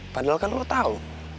padahal kan lu tau